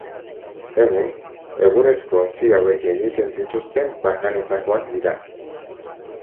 Egun, egurrezko ontzi hauek egiten dituzten bakanetakoak dira.